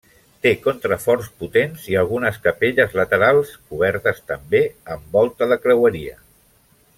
Té contraforts potents i algunes capelles laterals, cobertes també amb volta de creueria.